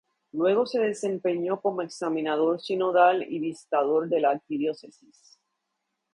Luego se desempeñó como examinador sinodal y visitador de la arquidiócesis.